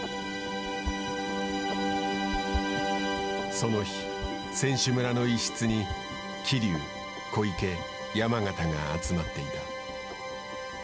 その日、選手村の一室に桐生、小池、山縣が集まっていた。